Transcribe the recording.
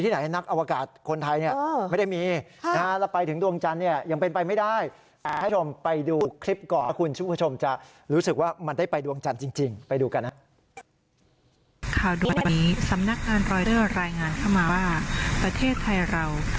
ต้องมีระยะทางราว๓คิโลเมตร